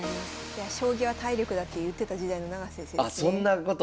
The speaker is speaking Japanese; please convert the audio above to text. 将棋は体力だって言ってた時代の永瀬先生ですね。